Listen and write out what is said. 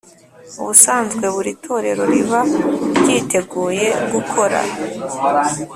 Ubusanzwe buri torero riba ryiteguye gukora